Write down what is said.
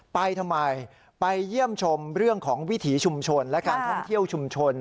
ไปทำไมไปเยี่ยมชมเรื่องของวิถีชุมชนและการท่องเที่ยวชุมชน